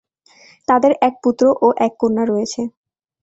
তাদের এক পুত্র ও এক কন্যা রয়েছে।